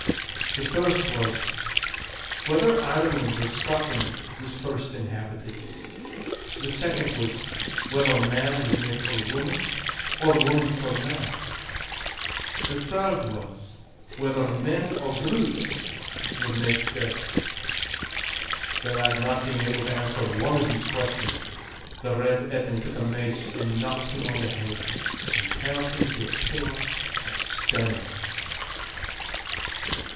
The first was: Whether Ireland or Scotland was first inhabited? The second was: Whether man was made for woman, or woman for man? The third was: Whether men or brutes were made first? The lad not being able to answer one of these questions, the Red Etin took a mace and knocked him on the head, and turned him into a pillar of stone.